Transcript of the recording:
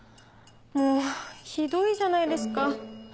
もうひどいじゃないですか。